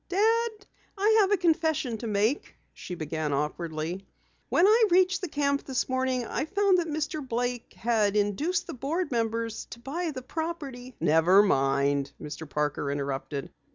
"Dad, I have a confession to make," she began awkwardly. "When I reached the camp this morning I found that Mr. Blake had induced the board members to buy the property " "Never mind," Mr. Parker interrupted.